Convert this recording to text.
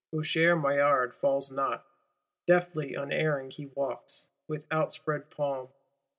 Usher Maillard falls not: deftly, unerring he walks, with outspread palm.